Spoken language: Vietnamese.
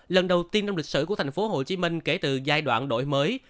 lần đầu tiên trong lịch sử của thành phố hồ chí minh kể từ giai đoạn đổi mới